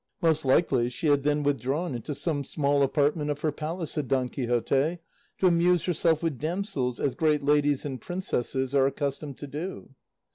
"Most likely she had then withdrawn into some small apartment of her palace," said Don Quixote, "to amuse herself with damsels, as great ladies and princesses are accustomed to do."